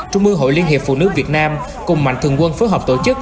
trung mương hội liên hiệp phụ nữ việt nam cùng mạnh thường quân phối hợp tổ chức